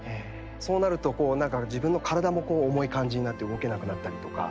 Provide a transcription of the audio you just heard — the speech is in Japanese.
そうなるとこうなんか自分の体も重い感じになって動けなくなったりとか。